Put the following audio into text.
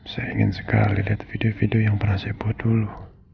saya ingin sekali lihat video video yang pernah saya buat dulu